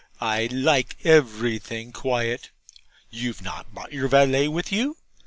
I like everything quiet. You've not brought your valet with you?